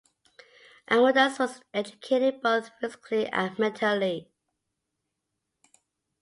Amadeus was educated both physically and mentally.